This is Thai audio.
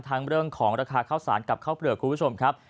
เรื่องของราคาข้าวสารกับข้าวเปลือกคุณผู้ชมครับ